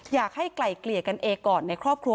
อยากให้ไกล่เกลี่ยกันเองก่อนในครอบครัว